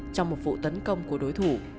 trong một vụ tấn công của đối thủ